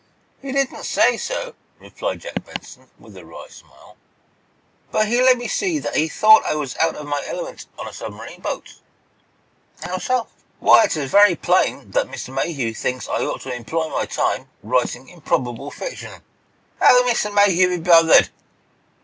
"He didn't say so," replied Jack Benson, with a wry smile, "but he let me see that he thought I was out of my element on a submarine boat." "How so?" "Why, it is very plain that Mr. Mayhew thinks I ought to employ my time writing improbable fiction." "Oh, Mayhew be bothered!"